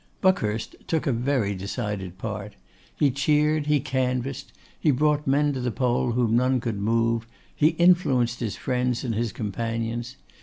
Buckhurst took a very decided part. He cheered, he canvassed, he brought men to the poll whom none could move; he influenced his friends and his companions.